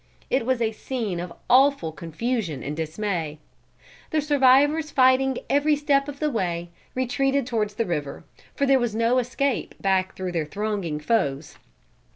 It was a scene of awful confusion and dismay. The survivors fighting every step of the way, retreated towards the river, for there was no escape back through their thronging foes.